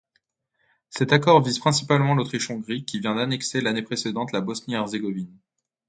Cet accord vise principalement l'Autriche-Hongrie qui vient d'annexer l'année précédente la Bosnie-Herzégovine.